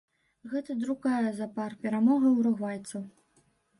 Гэта другая запар перамога уругвайцаў.